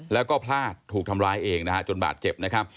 แล้วก็พลาดถูกทำร้ายเองนะฮะจนบาดเจ็บนะครับ